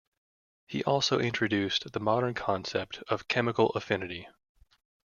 He also introduced the modern concept of chemical affinity.